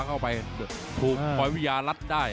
หรือว่าผู้สุดท้ายมีสิงคลอยวิทยาหมูสะพานใหม่